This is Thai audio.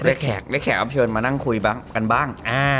เรียกแขกเรียกแขกว่าเชิญมานั่งคุยบ้างกันบ้างอ่า